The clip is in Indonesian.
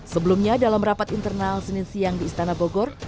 sebelumnya dalam rapat internal senin siang di istana bogor